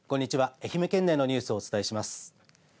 愛媛県内のニュースをお伝えします。